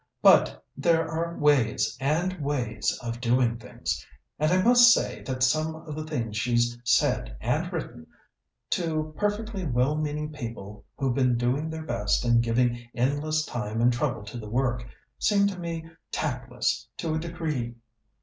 But there are ways and ways of doing things, and I must say that some of the things she's said and written, to perfectly well meaning people who've been doing their best and giving endless time and trouble to the work, seem to me tactless to a degree."